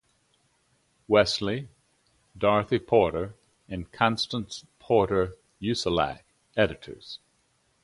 Wesley, Dorothy Porter, and Constance Porter Uzelac, eds.